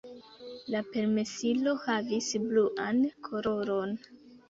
La permesilo havis bluan koloron.